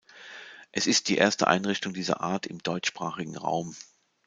Es ist die erste Einrichtung dieser Art im deutschsprachigen Raum.